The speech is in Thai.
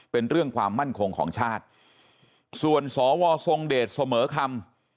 เป็นเรื่องความมั่นคงของชาติส่วนสวทรงเดชเสมอคำ